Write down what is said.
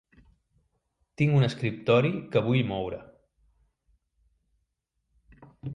Tinc un escriptori que vull moure.